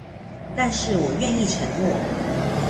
但是我願意承諾